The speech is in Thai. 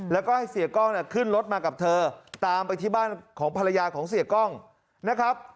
แล้วก็ให้เสียกล้องขึ้นรถมากับเธอตามไปที่บ้านของภรรยาของเสียกล้องนะครับ